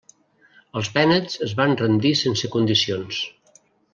Els vènets es van rendir sense condicions.